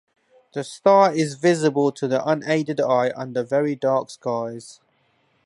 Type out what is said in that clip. The star is visible to the unaided eye under very dark skies.